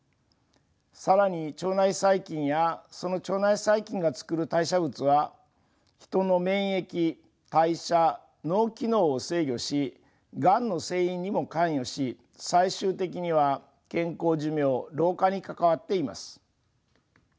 更に腸内細菌やその腸内細菌が作る代謝物はヒトの免疫代謝脳機能を制御しがんの成因にも関与し最終的には健康寿命老化に関わっています。